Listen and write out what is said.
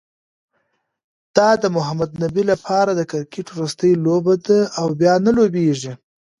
دا د محمد نبي لپاره د کرکټ وروستۍ لوبه ده، او بیا نه لوبیږي